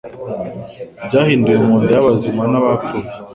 Byahinduwe munda yabazima na bapfu